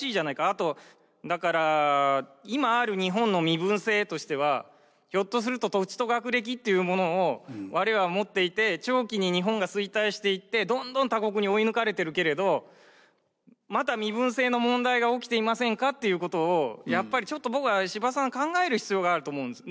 あとだから今ある日本の身分制としてはひょっとすると土地と学歴っていうものをあるいは持っていて長期に日本が衰退していってどんどん他国に追い抜かれてるけれどまた身分制の問題が起きていませんかっていうことをやっぱりちょっと僕は司馬さんで考える必要があると思うんです。